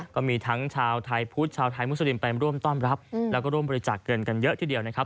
ก็มีทั้งชาวไทยพุทธชาวไทยมุสลิมไปร่วมต้อนรับแล้วก็ร่วมบริจาคเงินกันเยอะทีเดียวนะครับ